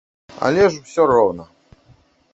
Але ж усё роўна.